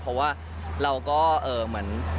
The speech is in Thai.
เพราะว่าเราก็เหมือน